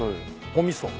おみそ。